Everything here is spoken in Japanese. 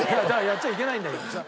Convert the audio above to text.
やっちゃいけないんだけどさ。